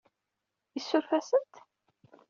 Isuref-asent?